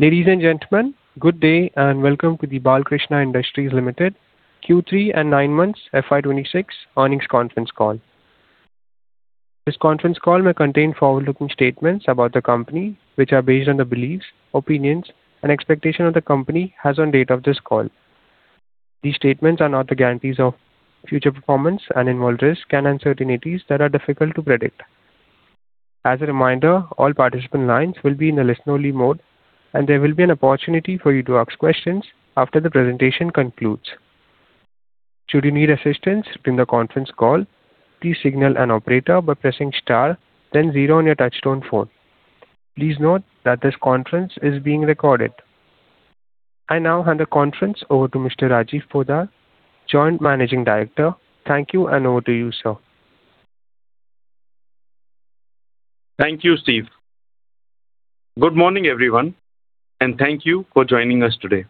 Ladies and gentlemen, good day, and welcome to the Balkrishna Industries Limited Q3 and 9 months FY 2026 earnings conference call. This conference call may contain forward-looking statements about the company, which are based on the beliefs, opinions, and expectations of the company as on the date of this call. These statements are not the guarantees of future performance and involve risks and uncertainties that are difficult to predict. As a reminder, all participant lines will be in a listen-only mode, and there will be an opportunity for you to ask questions after the presentation concludes. Should you need assistance during the conference call, please signal an operator by pressing star, then zero on your touchtone phone. Please note that this conference is being recorded. I now hand the conference over to Mr. Rajiv Poddar, Joint Managing Director. Thank you, and over to you, sir. Thank you, Steve. Good morning, everyone, and thank you for joining us today.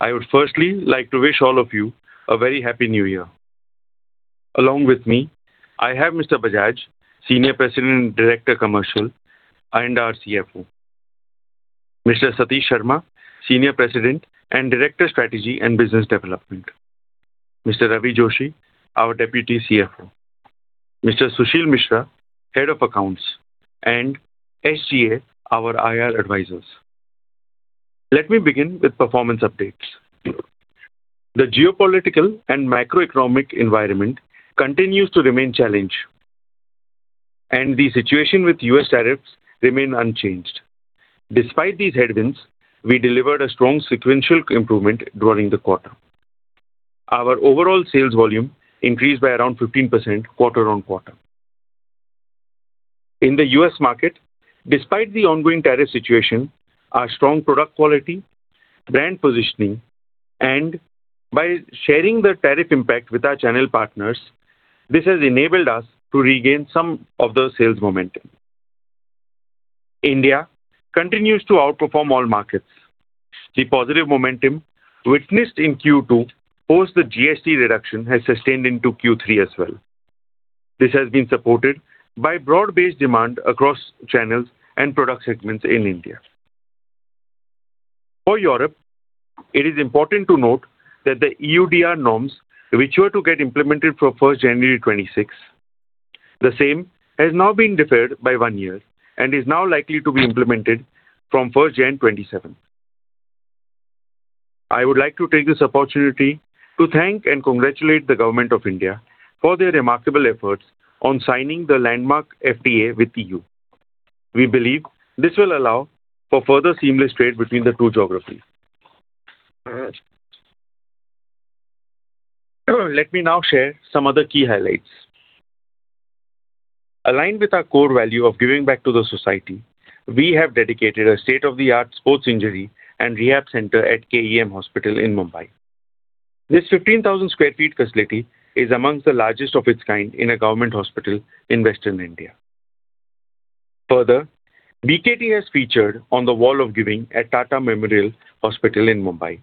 I would firstly like to wish all of you a very happy new year. Along with me, I have Mr. Bajaj, Senior President and Director, Commercial and our CFO; Mr. Satish Sharma, Senior President and Director, Strategy and Business Development; Mr. Ravi Joshi, our Deputy CFO; Mr. Sushil Mishra, Head of Accounts, and SGA, our IR advisors. Let me begin with performance updates. The geopolitical and macroeconomic environment continues to remain challenged, and the situation with U.S. tariffs remain unchanged. Despite these headwinds, we delivered a strong sequential improvement during the quarter. Our overall sales volume increased by around 15% quarter-on-quarter. In the U.S. market, despite the ongoing tariff situation, our strong product quality, brand positioning, and by sharing the tariff impact with our channel partners, this has enabled us to regain some of the sales momentum. India continues to outperform all markets. The positive momentum witnessed in Q2 post the GST reduction has sustained into Q3 as well. This has been supported by broad-based demand across channels and product segments in India. For Europe, it is important to note that the EUDR norms, which were to get implemented from first January 2026, the same has now been deferred by one year and is now likely to be implemented from first January 2027. I would like to take this opportunity to thank and congratulate the Government of India for their remarkable efforts on signing the landmark FTA with EU. We believe this will allow for further seamless trade between the two geographies. Let me now share some other key highlights. Aligned with our core value of giving back to the society, we have dedicated a state-of-the-art sports injury and rehab center at KEM Hospital in Mumbai. This 15,000 sq ft facility is among the largest of its kind in a government hospital in Western India. Further, BKT has featured on the Wall of Giving at Tata Memorial Hospital in Mumbai.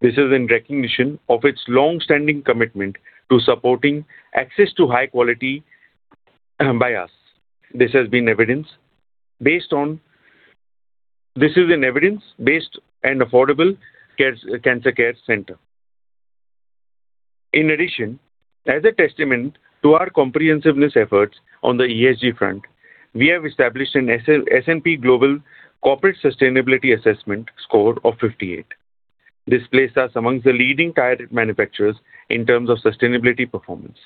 This is in recognition of its long-standing commitment to supporting access to high quality care. This has been evidenced based on... This is an evidence-based and affordable cancer care center. In ad9dition, as a testament to our comprehensive efforts on the ESG front, we have established an S&P Global Corporate Sustainability Assessment score of 58. This places us amongst the leading tire manufacturers in terms of sustainability performance.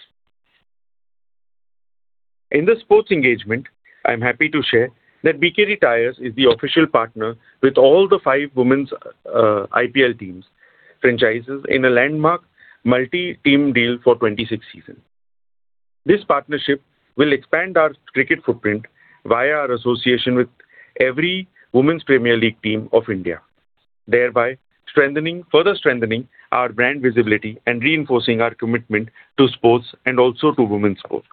In the sports engagement, I'm happy to share that BKT Tires is the official partner with all the five women's IPL teams franchises in a landmark multi-team deal for 2026 season. This partnership will expand our cricket footprint via our association with every Women's Premier League team of India, thereby strengthening, further strengthening our brand visibility and reinforcing our commitment to sports and also to women's sport.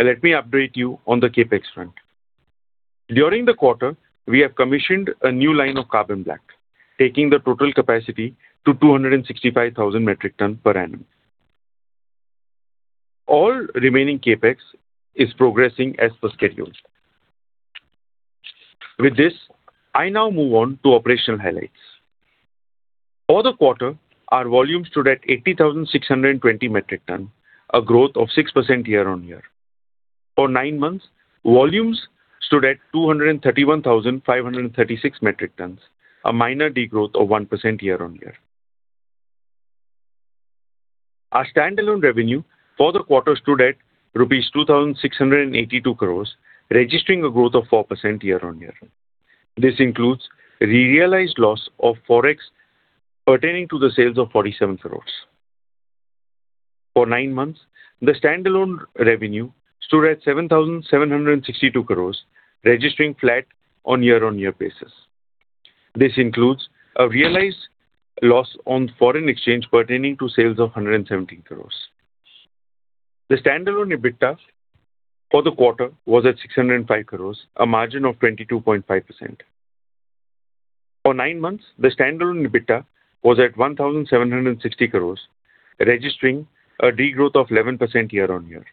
Let me update you on the CapEx front. During the quarter, we have commissioned a new line of carbon black, taking the total capacity to 265,000 metric tons per annum. All remaining CapEx is progressing as per schedules. With this, I now move on to operational highlights. For the quarter, our volumes stood at 80,620 metric ton, a growth of 6% year-on-year. For 9 months, volumes stood at 231,536 metric tons, a minor degrowth of 1% year-on-year. Our standalone revenue for the quarter stood at rupees 2,682 crores, registering a growth of 4% year-on-year. This includes realized loss of forex pertaining to the sales of 47 crores. For 9 months, the standalone revenue stood at 7,762 crores, registering flat on year-on-year basis. This includes a realized loss on foreign exchange pertaining to sales of 117 crores. The standalone EBITDA for the quarter was at 605 crores, a margin of 22.5%. For 9 months, the standalone EBITDA was at 1,760 crores, registering a de-growth of 11% year-on-year.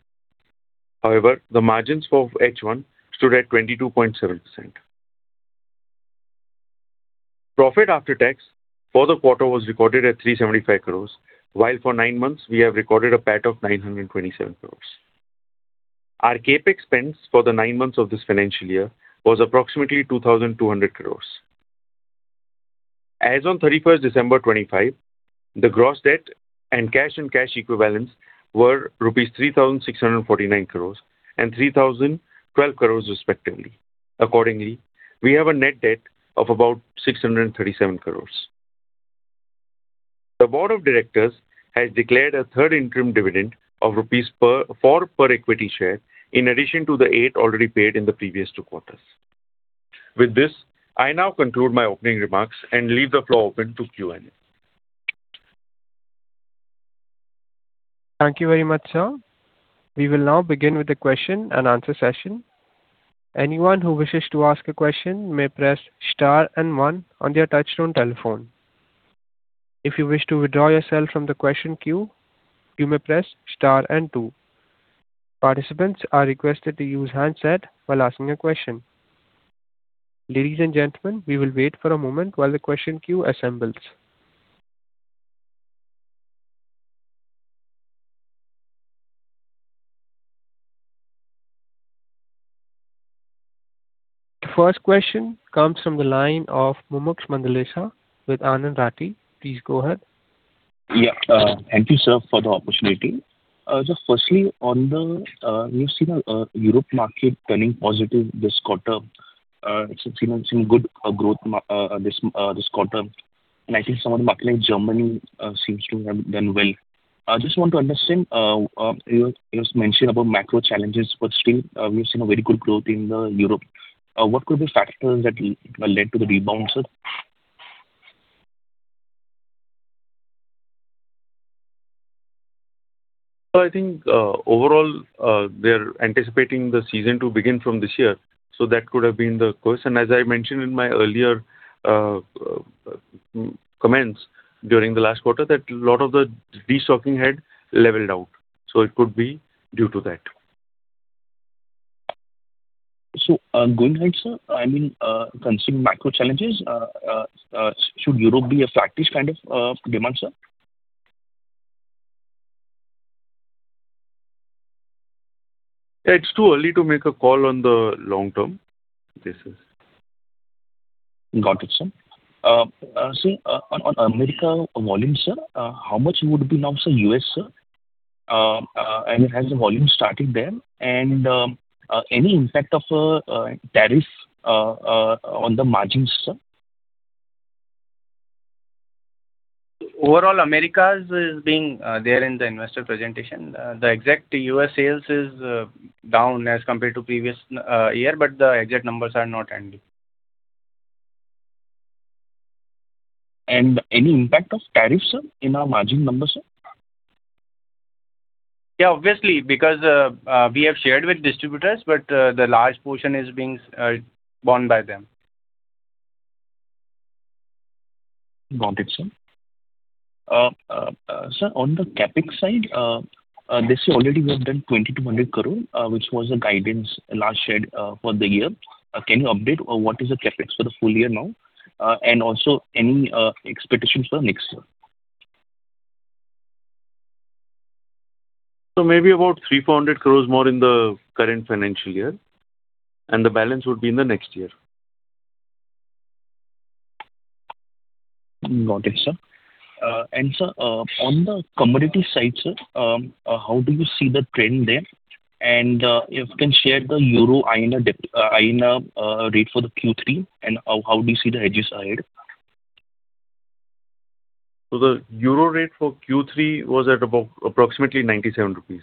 However, the margins for H1 stood at 22.7%. Profit after tax for the quarter was recorded at 375 crores, while for 9 months we have recorded a PAT of 927 crores. Our CapEx spends for the 9 months of this financial year was approximately 2,200 crores. As on 31 December 2025, the gross debt and cash and cash equivalents were INR 3,649 crores and INR 3,012 crores respectively. Accordingly, we have a net debt of about 637 crores. The board of directors has declared a third interim dividend of INR 4 per equity share, in addition to the 8 already paid in the previous two quarters. With this, I now conclude my opening remarks and leave the floor open to Q&A. Thank you very much, sir. We will now begin with the question and answer session. Anyone who wishes to ask a question may press star and one on their touchtone telephone. If you wish to withdraw yourself from the question queue, you may press star and two. Participants are requested to use handset while asking a question. Ladies and gentlemen, we will wait for a moment while the question queue assembles. The first question comes from the line of Mumuksh Mandlesha with Anand Rathi. Please go ahead. Yeah, thank you, sir, for the opportunity. Just firstly, on the, we've seen the Europe market turning positive this quarter. It's been seeing good growth this quarter, and I think some of the market like Germany seems to have done well. I just want to understand you mentioned about macro challenges, but still, we've seen a very good growth in the Europe. What could be factors that led to the rebound, sir? So, I think, overall, they're anticipating the season to begin from this year, so that could have been the cause, and as I mentioned in my earlier comments during the last quarter, that a lot of the destocking had leveled out, so it could be due to that. Going ahead, sir, I mean, considering macro challenges, should Europe be a factor kind of demand, sir? It's too early to make a call on the long term. Yes, sir. Got it, sir. So, on America volume, sir, how much would it be now, sir, U.S., sir, and has the volume started there, and any impact of tariff on the margins, sir? Overall, Americas is being there in the investor presentation. The exact U.S. sales is down as compared to previous year, but the exact numbers are not handy. Any impact of tariffs, sir, in our margin numbers, sir? Yeah, obviously, because we have shared with distributors, but the large portion is being borne by them. Got it, sir. Sir, on the CapEx side, they say already we have done 2,200 crore, which was the guidance last shared, for the year. Can you update on what is the CapEx for the full year now, and also any expectations for next year? Maybe about 300-400 crore more in the current financial year, and the balance would be in the next year. Got it, sir. And sir, on the commodity side, sir, how do you see the trend there? And, if you can share the euro-INR rate for the Q3, and, how do you see the hedges ahead? So, the euro rate for Q3 was at about approximately 97 rupees.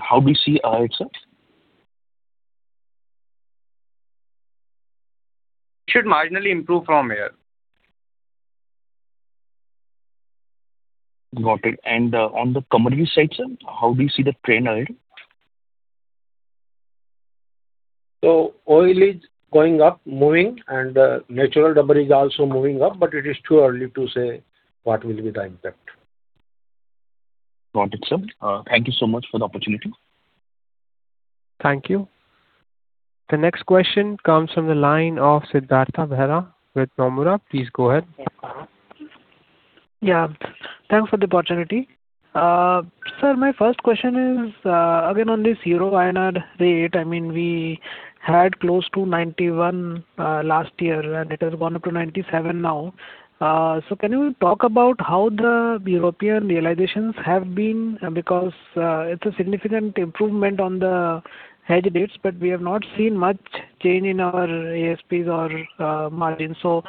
How do you see ahead, sir? Should marginally improve from here. Got it. On the commodity side, sir, how do you see the trend ahead? So, oil is going up, moving, and natural rubber is also moving up, but it is too early to say what will be the impact. Got it, sir. Thank you so much for the opportunity. Thank you. The next question comes from the line of Siddhartha Bera with Nomura. Please go ahead. Yeah. Thanks for the opportunity. Sir, my first question is, again, on this EUR-INR rate. I mean, we had close to 91 last year, and it has gone up to 97 now. So, can you talk about how the European realizations have been? Because it's a significant improvement on the hedge dates, but we have not seen much change in our ASPs or margins. So,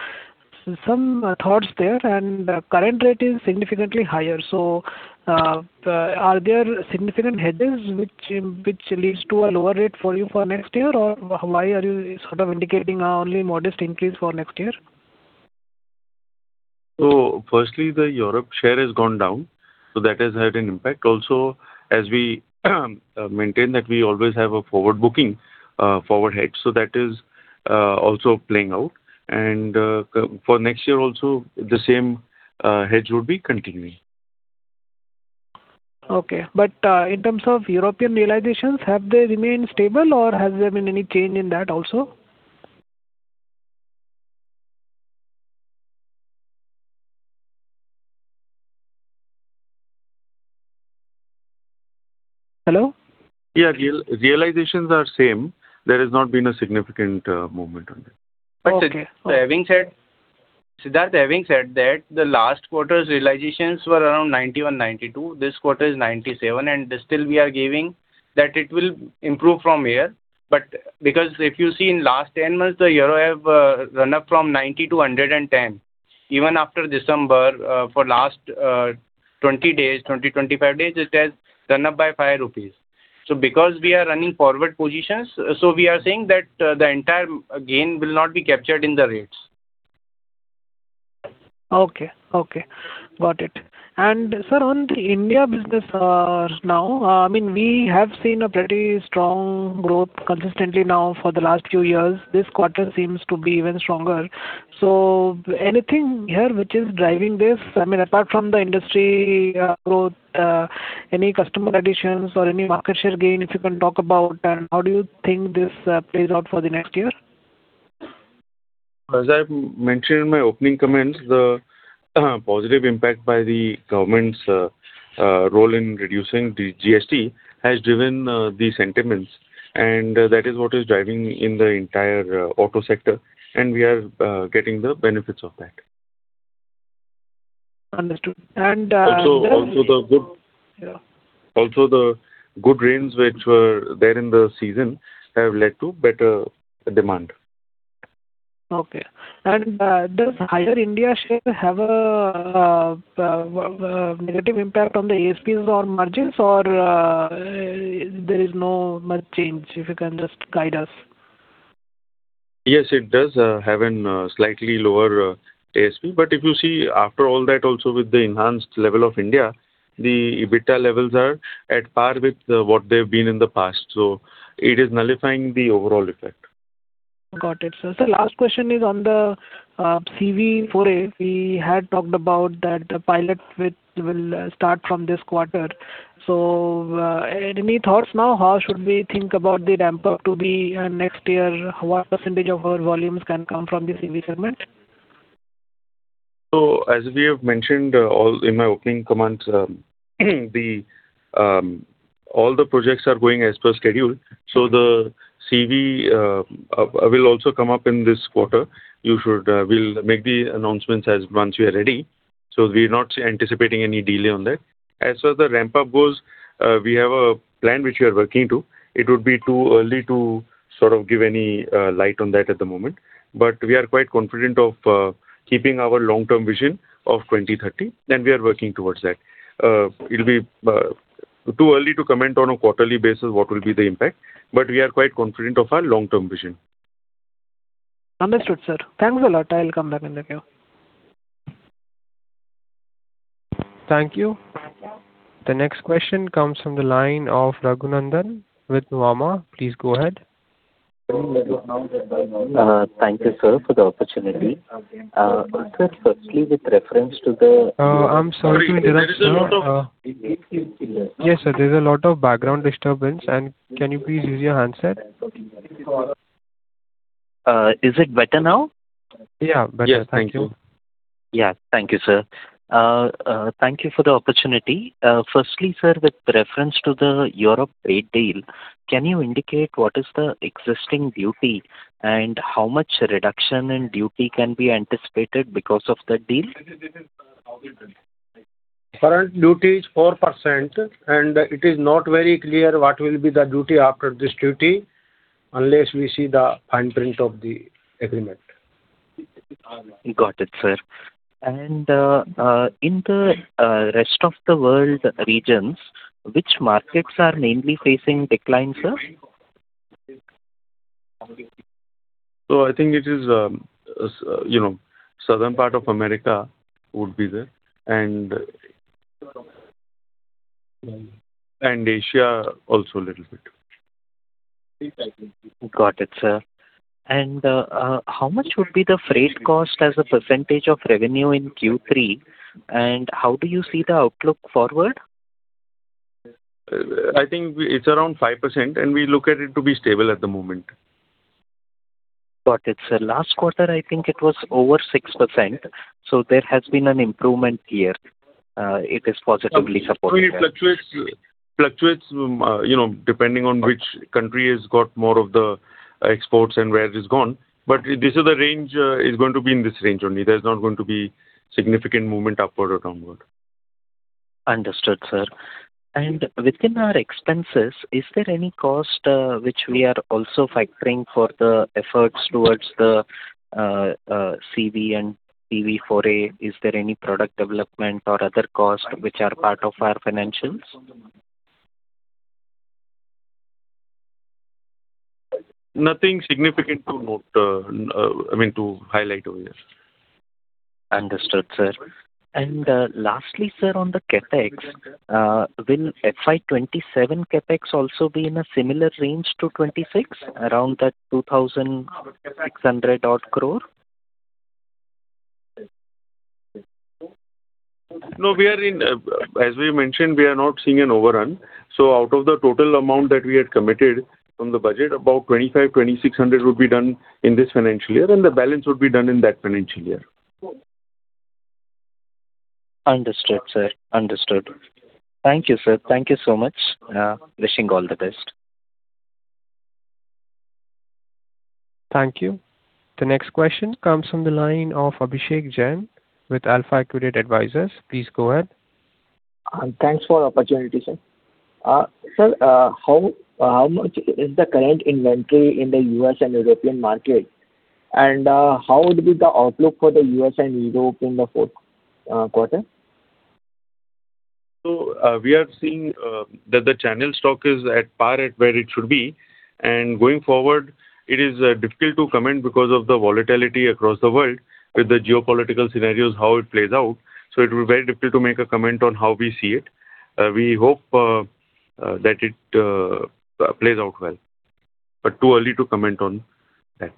some thoughts there. And current rate is significantly higher. So, are there significant hedges which which leads to a lower rate for you for next year? Or why are you sort of indicating only modest increase for next year? So, firstly, the Europe share has gone down, so that has had an impact. Also, as we maintain that we always have a forward hedge, so that is also playing out. For next year also, the same hedge would be continuing. Okay. But, in terms of European realizations, have they remained stable or has there been any change in that also? Hello? Yeah. Realizations are same. There has not been a significant movement on that. Okay. But so having said, Siddhartha, having said that, the last quarter's realizations were around 91, 92, this quarter is 97, and still we are giving that it will improve from here. But because if you see in last 10 months, the euro have run up from 90 to 110. Even after December, for last 25 days, it has run up by 5 rupees. So because we are running forward positions, so we are saying that the entire gain will not be captured in the rates. Okay. Okay, got it. And sir, on the India business, now, I mean, we have seen a pretty strong growth consistently now for the last few years. This quarter seems to be even stronger. So anything here which is driving this? I mean, apart from the industry growth, any customer additions or any market share gain, if you can talk about, and how do you think this plays out for the next year? As I've mentioned in my opening comments, the positive impact by the government's role in reducing the GST has driven the sentiments, and that is what is driving in the entire auto sector, and we are getting the benefits of that. Understood. And, Also, the good- Yeah. Also, the good rains which were there in the season have led to better demand. Okay. And, does higher India share have a negative impact on the ASPs or margins, or there is no much change? If you can just guide us. Yes, it does have an slightly lower ASP. But if you see after all that, also with the enhanced level of India, the EBITDA levels are at par with what they've been in the past, so it is nullifying the overall effect. Got it, sir. Sir, last question is on the CV foray. We had talked about that the pilot which will start from this quarter. So, any thoughts now, how should we think about the ramp up to be next year? What percentage of our volumes can come from this EV segment? So, as we have mentioned, all in my opening comments, all the projects are going as per schedule, so the CV will also come up in this quarter. We'll make the announcements as once we are ready, so we're not anticipating any delay on that. As far as the ramp up goes, we have a plan which we are working to. It would be too early to sort of give any light on that at the moment. But we are quite confident of keeping our long-term vision of 2030, and we are working towards that. It'll be too early to comment on a quarterly basis what will be the impact, but we are quite confident of our long-term vision. Understood, sir. Thanks a lot. I'll come back in the queue. Thank you. The next question comes from the line of Raghunandan with Nuvama. Please go ahead. Thank you, sir, for the opportunity. Sir, firstly, with reference to the I'm sorry. There is a lot of... Yes, sir, there's a lot of background disturbance. And can you please use your handset? Is it better now? Yeah, better. Yes. Thank you. Yeah. Thank you, sir. Thank you for the opportunity. Firstly, sir, with reference to the Europe trade deal, can you indicate what is the existing duty and how much reduction in duty can be anticipated because of the deal? Current duty is 4%, and it is not very clear what will be the duty after this duty, unless we see the fine print of the agreement. Got it, sir. In the rest of the world regions, which markets are mainly facing decline, sir? So I think it is, you know, South America would be there, and Asia also a little bit. Got it, sir. And, how much would be the freight cost as a percentage of revenue in Q3, and how do you see the outlook forward? I think we, it's around 5%, and we look at it to be stable at the moment. Got it, sir. Last quarter, I think it was over 6%, so there has been an improvement here. It is positively supportive. It fluctuates, fluctuates, you know, depending on which country has got more of the exports and where it is gone. But this is the range, it's going to be in this range only. There's not going to be significant movement upward or downward. Understood, sir. And within our expenses, is there any cost, which we are also factoring for the efforts towards the CV and CV4A? Is there any product development or other costs which are part of our financials? nothing significant to note, I mean, to highlight over here. Understood, sir. And, lastly, sir, on the CapEx, will FY 2027 CapEx also be in a similar range to 2026, around that 2,600-odd crore? No, we are in, as we mentioned, we are not seeing an overrun, so out of the total amount that we had committed from the budget, about 2,500-2,600 would be done in this financial year, and the balance would be done in that financial year. Understood, sir. Understood. Thank you, sir. Thank you so much. Wishing you all the best. Thank you. The next question comes from the line of Abhishek Jain with Alpha Accurate Advisors. Please go ahead. Thanks for the opportunity, sir. Sir, how much is the current inventory in the U.S. and European market? And, how would be the outlook for the U.S. and Europe in the fourth quarter? So, we are seeing that the channel stock is at par at where it should be, and going forward, it is difficult to comment because of the volatility across the world with the geopolitical scenarios, how it plays out, so it will be very difficult to make a comment on how we see it. We hope that it plays out well, but too early to comment on that.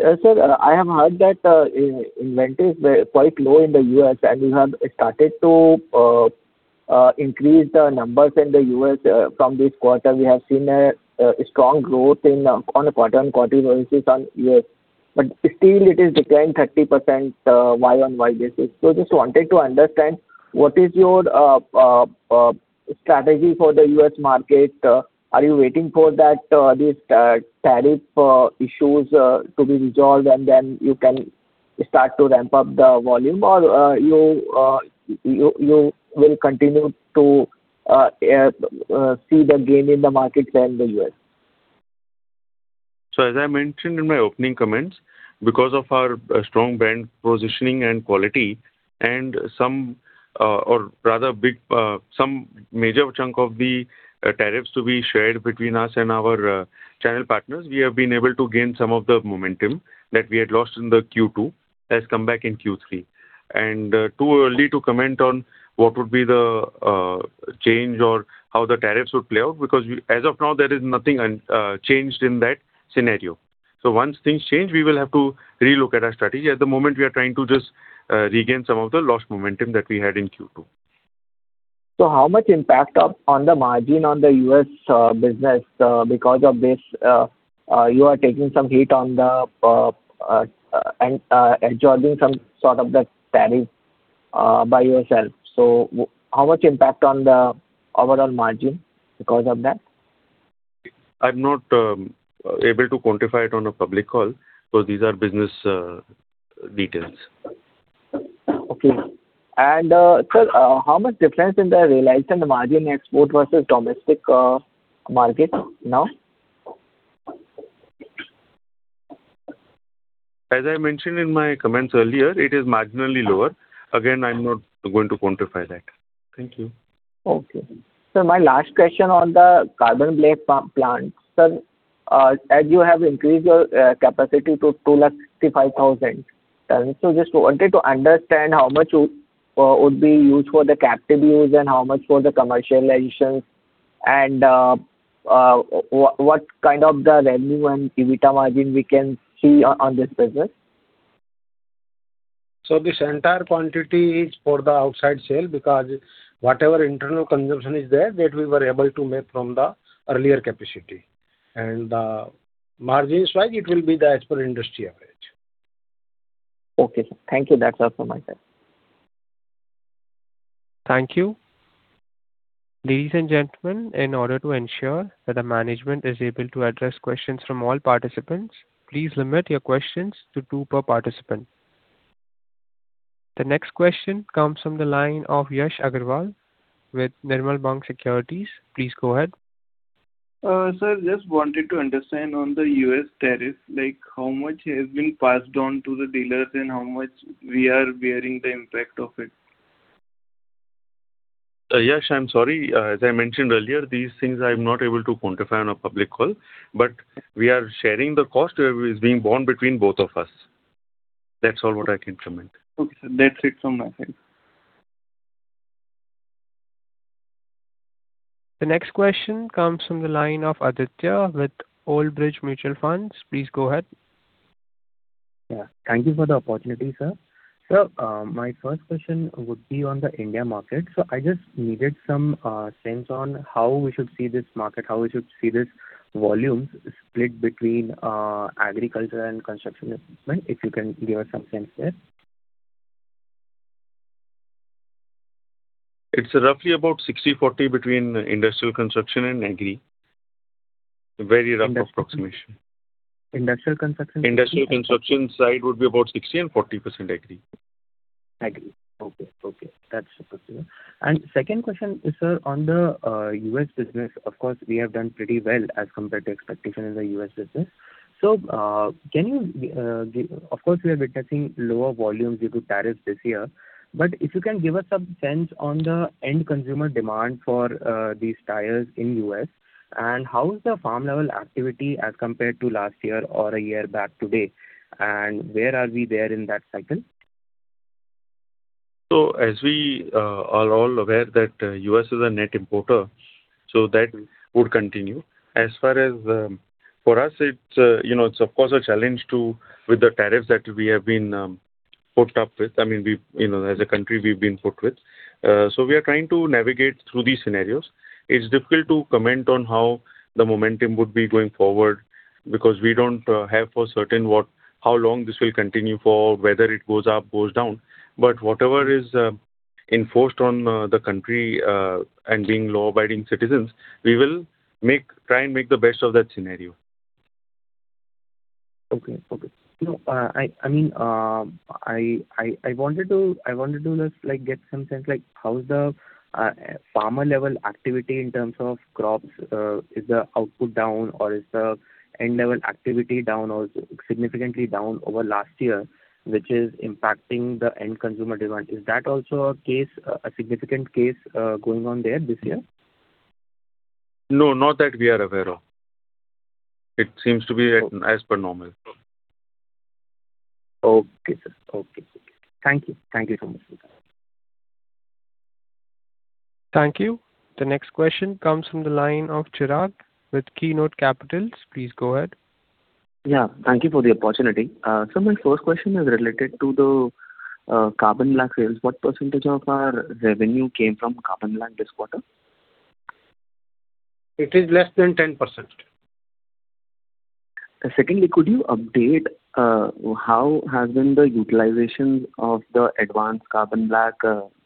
So, sir, I have heard that inventory is quite low in the US, and you have started to increase the numbers in the US. From this quarter, we have seen a strong growth in the US on a quarter-on-quarter basis. But still it is declined 30% on year-on-year basis. So just wanted to understand, what is your strategy for the US market? Are you waiting for these tariff issues to be resolved, and then you can start to ramp up the volume? Or, you will continue to see the gain in the market share in the US? So, as I mentioned in my opening comments, because of our strong brand positioning and quality, and some, or rather big, some major chunk of the tariffs to be shared between us and our channel partners, we have been able to gain some of the momentum that we had lost in the Q2, has come back in Q3. And too early to comment on what would be the change or how the tariffs would play out, because we, as of now, there is nothing unchanged in that scenario. So, once things change, we will have to relook at our strategy. At the moment, we are trying to just regain some of the lost momentum that we had in Q2. So, how much impact on the margin on the U.S. business because of this, you are taking some hit on the and absorbing some sort of the tariff by yourself. So, how much impact on the overall margin because of that? I'm not able to quantify it on a public call, so these are business details. Okay. And, sir, how much difference in the realized and the margin export versus domestic market now? As I mentioned in my comments earlier, it is marginally lower. Again, I'm not going to quantify that. Thank you. Okay. Sir, my last question on the carbon black plant. Sir, as you have increased your capacity to 265,000, sir, so just wanted to understand how much would be used for the captive use and how much for the external sales, and what kind of the revenue and EBITDA margin we can see on this business? This entire quantity is for the outside sale, because whatever internal consumption is there, that we were able to make from the earlier capacity. The margin is why it will be as per industry average. Okay, sir. Thank you. That's all from my side. Thank you. Ladies and gentlemen, in order to ensure that the management is able to address questions from all participants, please limit your questions to 2 per participant. The next question comes from the line of Yash Agarwal with Nirmal Bang Securities. Please go ahead. Sir, just wanted to understand on the U.S. tariff, like, how much has been passed on to the dealers and how much we are bearing the impact of it? Yash, I'm sorry. As I mentioned earlier, these things I'm not able to quantify on a public call, but we are sharing the cost, is being borne between both of us. That's all what I can comment. Okay, sir, that's it from my side. The next question comes from the line of Aditya with Old Bridge Mutual Fund. Please go ahead. Yeah, thank you for the opportunity, sir. Sir, my first question would be on the India market. So, I just needed some sense on how we should see this market, how we should see these volumes split between agriculture and construction segment, if you can give us some sense there. It's roughly about 60/40 between industrial, construction and agri. Very rough approximation. Industrial, construction- Industrial construction side would be about 60%, and 40% agri. Okay. Okay, that's super clear. Second question is, sir, on the U.S. business, of course, we have done pretty well as compared to expectation in the U.S. business. So, can you give us some sense on the end consumer demand for these tires in U.S., and how is the farm level activity as compared to last year or a year back today, and where are we there in that cycle? So, as we are all aware that U.S. is a net importer, so that would continue. As far as for us, it's you know, it's of course a challenge to with the tariffs that we have been put up with. I mean, we've you know, as a country, we've been put with. So, we are trying to navigate through these scenarios. It's difficult to comment on how the momentum would be going forward, because we don't have for certain what how long this will continue for, whether it goes up, goes down. But whatever is enforced on the country and being law-abiding citizens, we will make try and make the best of that scenario. Okay. Okay. No, I mean, I wanted to just, like, get some sense, like, how is the farmer level activity in terms of crops? Is the output down or is the end level activity down or significantly down over last year, which is impacting the end consumer demand? Is that also a case, a significant case, going on there this year? No, not that we are aware of. It seems to be as per normal. Okay, sir. Okay. Thank you. Thank you so much. Thank you. The next question comes from the line of Chirag with Keynote Capitals. Please go ahead. Yeah, thank you for the opportunity. So my first question is related to the carbon black sales. What percentage of our revenue came from carbon black this quarter? It is less than 10%. Secondly, could you update how has been the utilization of the advanced carbon black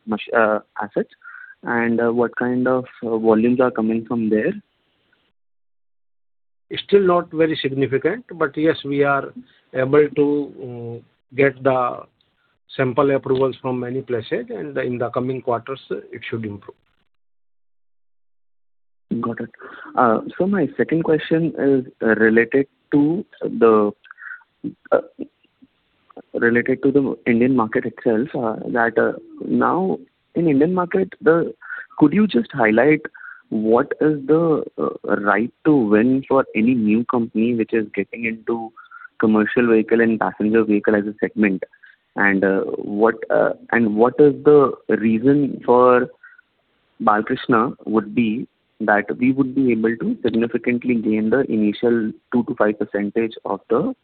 machinery assets, and what kind of volumes are coming from there? It's still not very significant, but yes, we are able to get the sample approvals from many places, and in the coming quarters, it should improve. Got it. So, my second question is related to the Indian market itself. Now, in Indian market, could you just highlight what is the right to win for any new company which is getting into commercial vehicle and passenger vehicle as a segment? And what is the reason for Balkrishna would be, that we would be able to significantly gain the initial 2%-5% of the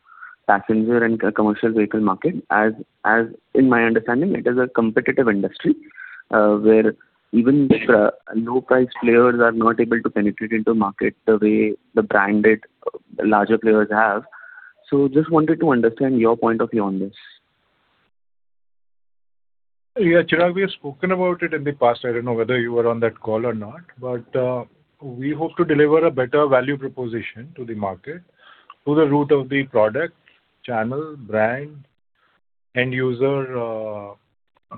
passenger and commercial vehicle market? As in my understanding, it is a competitive industry, where even the low-price players are not able to penetrate into market the way the branded, larger players have. So just wanted to understand your point of view on this. Yeah, Chirag, we have spoken about it in the past. I don't know whether you were on that call or not, but, we hope to deliver a better value proposition to the market, to the root of the product, channel, brand, end user, value.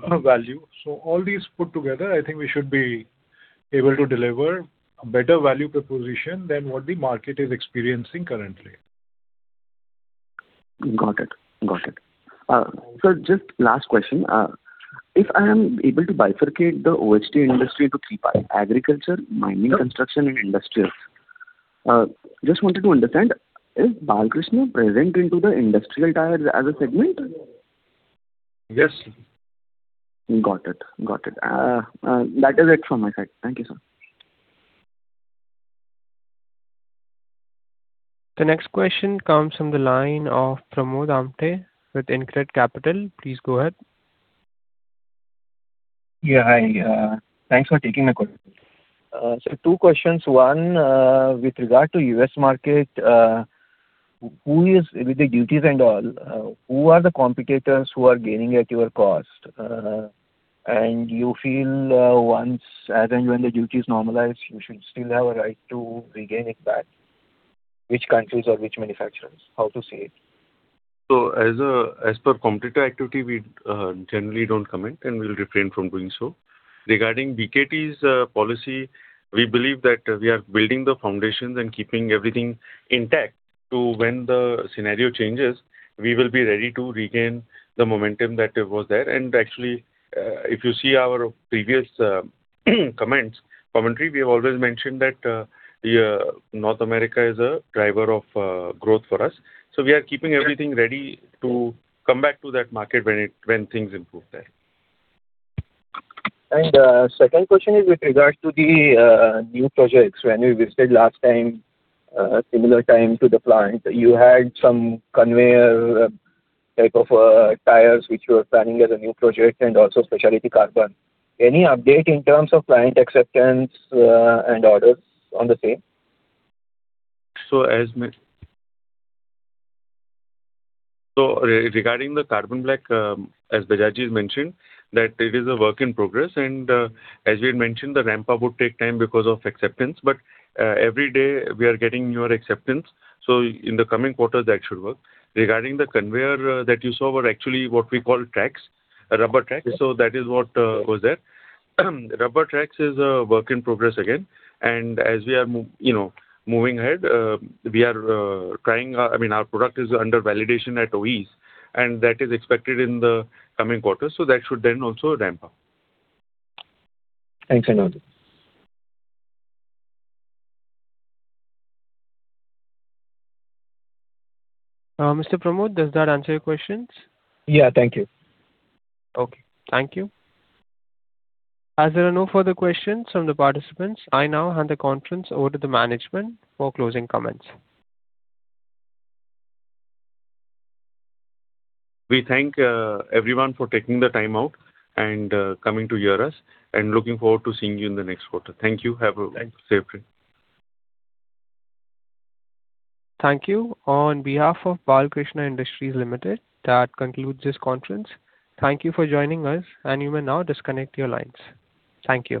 So all these put together, I think we should be able to deliver a better value proposition than what the market is experiencing currently. Got it. Got it. So just last question. If I am able to bifurcate the OHT industry into three parts: agriculture, mining, construction and industrial. Just wanted to understand, is Balkrishna present into the industrial tires as a segment? Yes. Got it. Got it. That is it from my side. Thank you, sir. The next question comes from the line of Pramod Amte with InCred Capital. Please go ahead. Yeah, hi. Thanks for taking the call. So two questions. One, with regard to U.S. market, who is, with the duties and all, who are the competitors who are gaining at your cost? And you feel, once, as and when the duty is normalized, you should still have a right to regain it back. Which countries or which manufacturers? How to see it. So as, as per competitor activity, we, generally don't comment, and we'll refrain from doing so. Regarding BKT's policy, we believe that we are building the foundations and keeping everything intact to when the scenario changes, we will be ready to regain the momentum that was there. And actually, if you see our previous, comments, commentary, we have always mentioned that, the, North America is a driver of, growth for us. So we are keeping everything ready to come back to that market when it, when things improve there. Second question is with regard to the new projects. When we visited last time, similar time to the client, you had some conveyor type of tires, which you were planning as a new project and also specialty carbon. Any update in terms of client acceptance and orders on the same? So regarding the carbon black, as Bajaj has mentioned, that it is a work in progress, and, as we had mentioned, the ramp-up would take time because of acceptance, but, every day we are getting newer acceptance, so in the coming quarters, that should work. Regarding the conveyor, that you saw were actually what we call tracks, rubber tracks. So that is what was there. Rubber tracks is a work in progress again, and as we are you know, moving ahead, we are trying, I mean, our product is under validation at OE's, and that is expected in the coming quarters, so that should then also ramp up. Thanks a lot. Mr. Pramod, does that answer your questions? Yeah. Thank you. Okay. Thank you. As there are no further questions from the participants, I now hand the conference over to the management for closing comments. We thank everyone for taking the time out and coming to hear us, and looking forward to seeing you in the next quarter. Thank you. Have a- Thanks. Safe trip. Thank you. On behalf of Balkrishna Industries Limited, that concludes this conference. Thank you for joining us, and you may now disconnect your lines. Thank you.